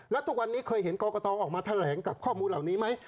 แล้วทุกวันนี้เคยเห็นกรกตออกมาแถลงกับข้อมูลเหล่านี้ไหม